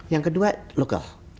yang kedua lokal